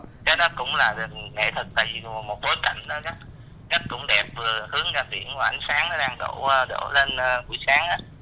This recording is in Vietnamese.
cái đó cũng là nghệ thực tại vì một bối cảnh nó rất cũng đẹp vừa hướng ra biển và ánh sáng nó đang đổ lên cuối sáng á